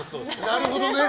なるほどね。